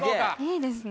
いいですね。